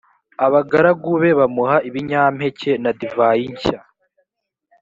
abgaragu be bamuha ibinyampeke na divayi nshya